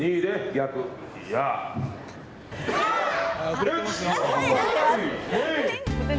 遅れてますよ。